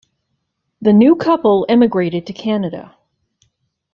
The new couple emigrated to Canada.